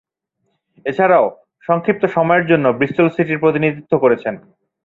এছাড়াও, সংক্ষিপ্ত সময়ের জন্য ব্রিস্টল সিটির প্রতিনিধিত্ব করেছেন।